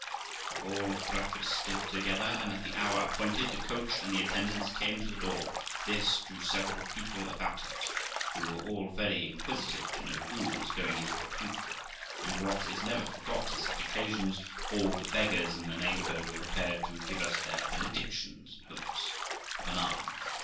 We all breakfasted together, and at the hour appointed the coach and attendants came to the door; this drew several people about it, who were all very inquisitive to know who was going into the country, and, what is never forgot on such occasions, all the beggars in the neigh bourhood were prepared to give us their benedictions in hopes of an alms.